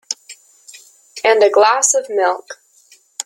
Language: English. And a glass of milk.